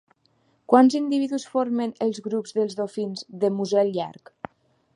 Quants individus formen els grups dels dofins de musell llarg?